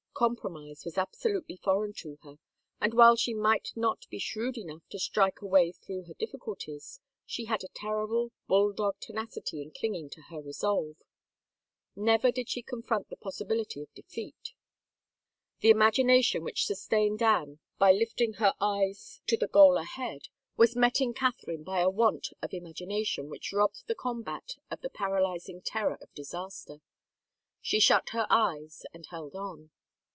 Compromise was absolutely foreign to her and while she might not be shrewd enough to strike a way through her difficulties she had a terrible, bulldog tenacity in clinging to her resolve. Never did she confront the possibility of defeat. The imagination which sustained Anne by lifting her eyes 179 THE FAVOR OF KINGS to the goal ahead, was met in Catherine by a want of imagination which robbed the combat of the paralyzing terror of disaster. She shut her eyes and held on.